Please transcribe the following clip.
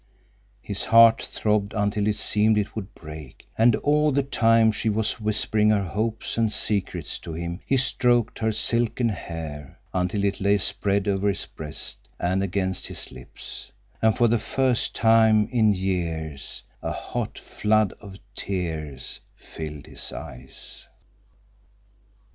His heart throbbed until it seemed it would break, and all the time she was whispering her hopes and secrets to him he stroked her silken hair, until it lay spread over his breast, and against his lips, and for the first time in years a hot flood of tears filled his eyes.